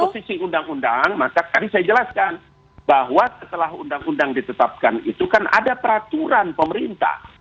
karena posisi undang undang maka tadi saya jelaskan bahwa setelah undang undang ditetapkan itu kan ada peraturan pemerintah